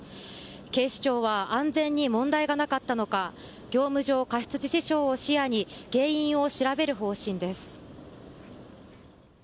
警視庁は安全に問題がなかったのか業務上過失致死傷を視野に原因を調べる方針です。